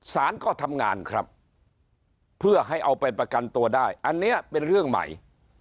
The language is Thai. สารก็ทำงานครับเพื่อให้เอาไปประกันตัวได้อันนี้เป็นเรื่องใหม่